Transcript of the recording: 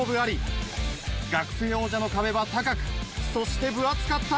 学生王者の壁は高くそして分厚かった。